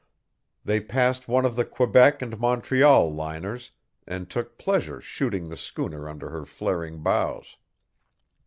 They passed one of the Quebec and Montreal liners, and took pleasure shooting the schooner under her flaring bows.